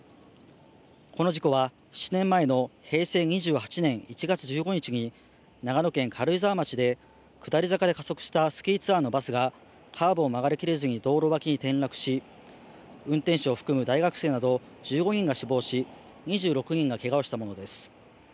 この事故は７年前の平成２８年１月１５日に長野県軽井沢町で下り坂で加速したスキーツアーのバスがカーブを曲がりきれずに道路脇に転落し運転手を含む大学生など１５人が死亡し、２６人がけがをしたものです。